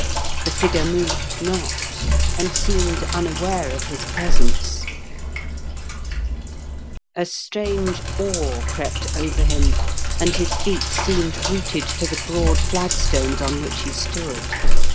The figure moved not, and seemed unaware of his presence. THE DOOMED OF THE DARK ENTRY. 189 A strange awe crept over him, and his feet seemed rooted to the broad flagstones on which he stood.